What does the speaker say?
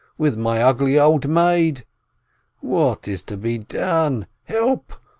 . with my ugly old maid ... "What is to be done? Help !